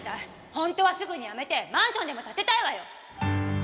本当はすぐにやめてマンションでも建てたいわよ！